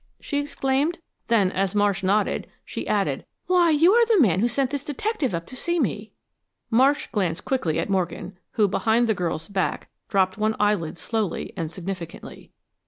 she exclaimed. Then, as Marsh nodded, she added, "Why, you are the man who sent this detective up to see me." Marsh glanced quickly at Morgan, who, behind the girl's back, dropped one eyelid slowly and significantly.